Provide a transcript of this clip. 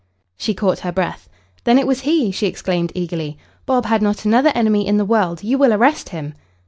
She caught her breath. "Then it was he!" she exclaimed eagerly. "Bob had not another enemy in the world. You will arrest him."